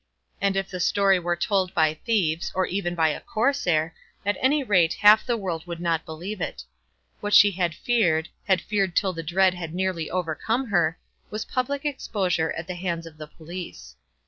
And if the story were told by thieves, or even by a Corsair, at any rate half the world would not believe it. What she had feared, had feared till the dread had nearly overcome her, was public exposure at the hands of the police.